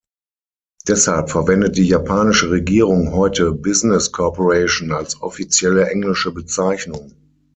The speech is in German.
Deshalb verwendet die japanische Regierung heute "business corporation" als offizielle englische Bezeichnung.